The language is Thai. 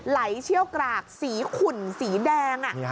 เชี่ยวกรากสีขุ่นสีแดง